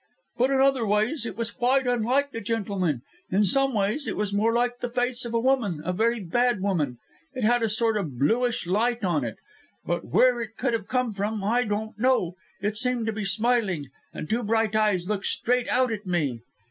"But in other ways it was quite unlike the gentleman. In some ways it was more like the face of a woman a very bad woman. It had a sort of bluish light on it, but where it could have come from, I don't know. It seemed to be smiling, and two bright eyes looked straight out at me."